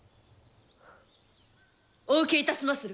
お受けいたしまする。